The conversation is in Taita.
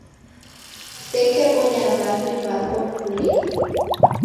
kusekebonya w'avi w'ako w'ikuleghe.